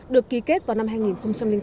được ký kết vào năm hai nghìn tám